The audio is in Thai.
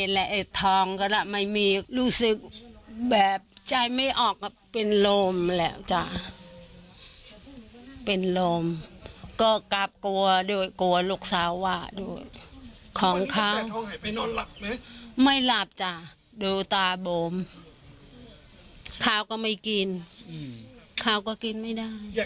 ขาก็ไม่กินขาก็กินไม่ได้อยากได้คืน